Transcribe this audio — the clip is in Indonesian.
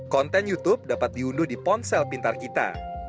konten youtube dapat diunduh di ponsel pintar kita